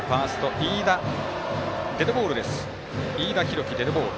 飯田大貴、デッドボール。